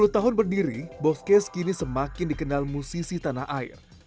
sepuluh tahun berdiri boxcase kini semakin dikenal musisi tanah air